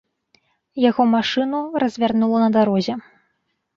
Яго машыну развярнула на дарозе.